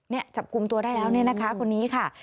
จับกลุ่มตัวได้แล้วเนี่ยนะคะคนนี้ค่ะ